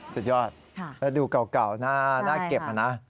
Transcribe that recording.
สุดยอดแล้วดูเก่าน่าเก็บนะ